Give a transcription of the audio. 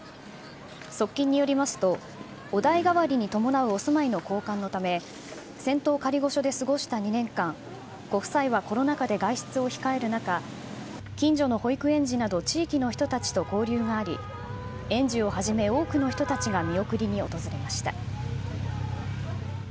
側近によりますと、御代がわりに伴うお住まいの交換のため、仙洞仮御所で過ごした２年間、ご夫妻はコロナ禍で外出を控える中、近所の保育園児など地域の人たちと交流があり、園児をはじめ、多くの人たちが見送りに訪れました。